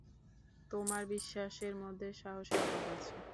তোমার বিশ্বাসের মধ্যে সাহসের অভাব আছে।